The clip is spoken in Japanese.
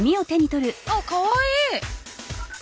あっかわいい。